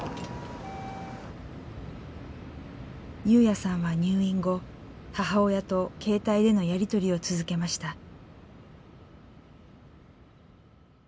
優也さんは入院後母親と携帯でのやり取りを続けました。